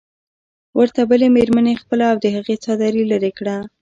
ورته بلې مېرمنې خپله او د هغې څادري لرې کړه.